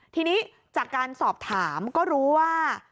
ทีนี้จากการสอบถามก็รู้ว่า